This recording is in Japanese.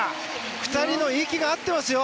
２人の息が合ってますよ。